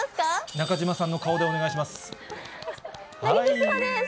中島さんの顔でお願いします。